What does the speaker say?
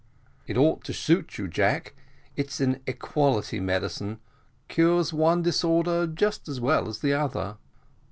"It ought to suit you, Jack; it's an equality medicine; cures one disorder just as well as the other."